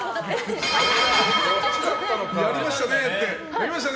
やりました！